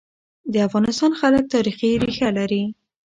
د افغانستان خلک تاریخي ريښه لري.